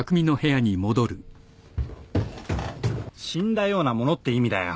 死んだようなものって意味だよ。